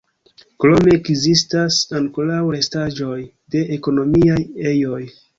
Krome ekzistas ankoraŭ restaĵoj de ekonomiaj ejoj.